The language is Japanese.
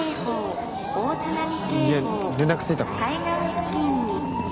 家連絡ついたか？